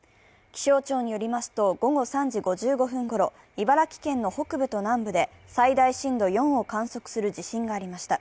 気象庁によりますと、午後３時５５分ごろ茨城県の北部と南部で最大震度４を観測する地震がありました。